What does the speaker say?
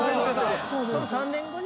その３年後に。